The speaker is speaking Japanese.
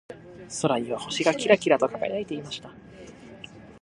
空には星がキラキラと輝いていました。